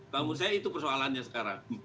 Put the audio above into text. namun saya itu persoalannya sekarang